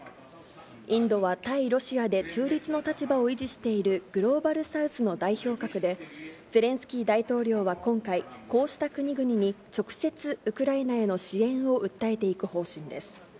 インドは対ロシアで中立の立場を維持しているグローバルサウスの代表格で、ゼレンスキー大統領は今回、こうした国々に直接ウクライナへの支援を訴えていく方針です。